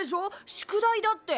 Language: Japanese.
宿題だって。